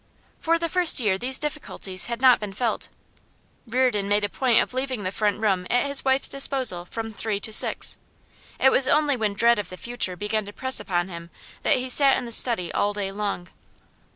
For the first year these difficulties had not been felt; Reardon made a point of leaving the front room at his wife's disposal from three to six; it was only when dread of the future began to press upon him that he sat in the study all day long.